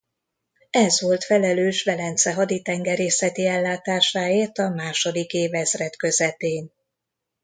Ez volt felelős Velence haditengerészeti ellátásáért a második évezred közepén.